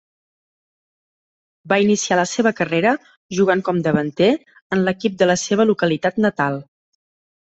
Va iniciar la seva carrera, jugant com davanter, en l'equip de la seva localitat natal.